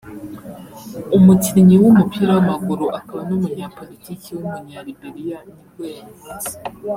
umukinnyi w’umupira w’amaguru akaba n’umunyapolitiki w’umunyaliberia nibwo yavutse